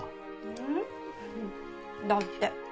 うん？だって